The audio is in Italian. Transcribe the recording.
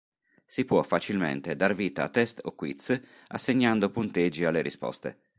Si può facilmente dar vita a test o quiz, assegnando punteggi alle risposte.